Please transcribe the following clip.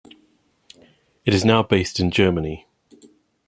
It is now based in Germany.